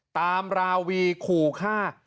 ราวีขู่ฆ่า